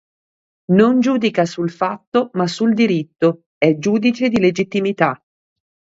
Non giudica sul fatto ma sul diritto: è "giudice di legittimità".